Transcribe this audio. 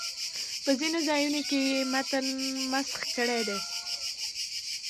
په ځینو ځایونو کې یې متن مسخ کړی دی.